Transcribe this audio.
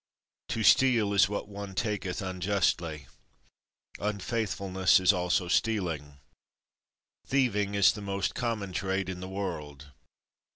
To steal is what one taketh unjustly. Unfaithfulness is also stealing. Thieving is the most common trade in the world.